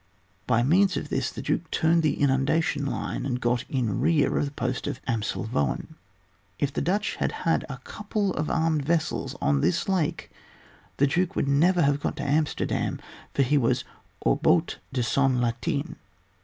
By means of this, the Duke turned the inundation line, and got in rear of the post of Amselvoen. If the Dutch had had a couple of armed vessels on this lake the duke would never have got to Amsterdam, for he was au hout de son latin.